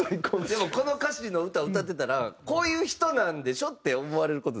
でもこの歌詞の歌歌ってたらこういう人なんでしょ？って思われる事ないですか？